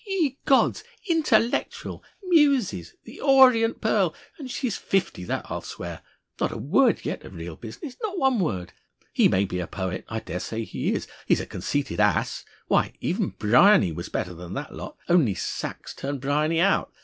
Ye gods! 'Intellectual!' 'Muses!' 'The Orient Pearl.' And she's fifty that I swear! Not a word yet of real business not one word! He may be a poet. I dare say he is. He's a conceited ass. Why, even Bryany was better than that lot. Only Sachs turned Bryany out.